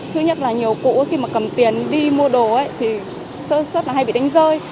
thứ nhất là nhiều cụ khi mà cầm tiền đi mua đồ thì sớt sớt là hay bị đánh rơi